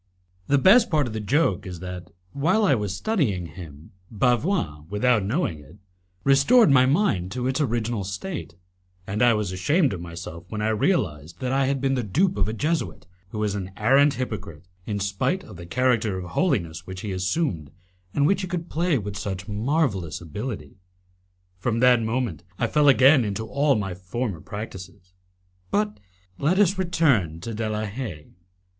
The best part of the joke is that, while I was studying him, Bavois, without knowing it, restored my mind to its original state, and I was ashamed of myself when I realized that I had been the dupe of a Jesuit who was an arrant hypocrite, in spite of the character of holiness which he assumed, and which he could play with such marvellous ability. From that moment I fell again into all my former practices. But let us return to De la Haye.